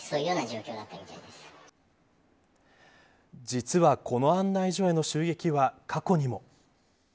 実はこの案内所への襲撃は過去にも。